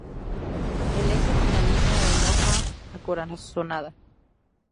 El eje finaliza en hoja acorazonada.